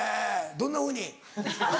どんなふうに？